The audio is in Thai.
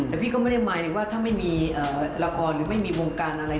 แต่พี่ก็ไม่ได้หมายถึงว่าถ้าไม่มีละครหรือไม่มีวงการอะไร